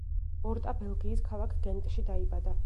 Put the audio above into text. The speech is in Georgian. ორტა ბელგიის ქალაქ გენტში დაიბადა.